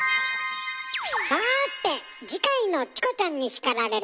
さて次回の「チコちゃんに叱られる！」